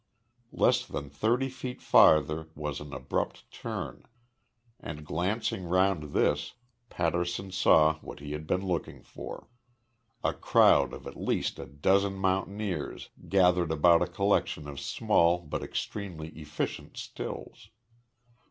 Less than thirty feet farther was an abrupt turn, and, glancing round this, Patterson saw what he had been hoping for a crowd of at least a dozen mountaineers gathered about a collection of small but extremely efficient stills.